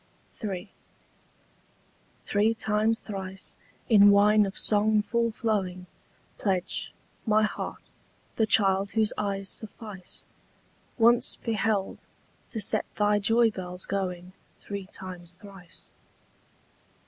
III. Three times thrice, in wine of song full flowing, Pledge, my heart, the child whose eyes suffice, Once beheld, to set thy joy bells going Three times thrice.